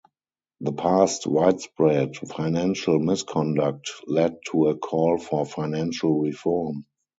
The past widespread financial misconduct led to a call for financial reform.